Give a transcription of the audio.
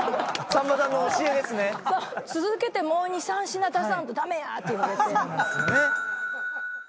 「続けてもう２３品出さんとダメや！」って言われて。